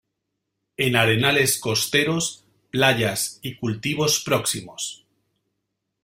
En arenales costeros, playas y cultivos próximos.